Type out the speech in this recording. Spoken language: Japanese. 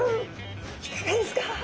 いかがですか？